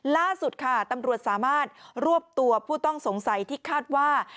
ล่าสุดค่ะตำรวจสามารถรวบตัวผู้ต้องสงสัยที่คาดว่า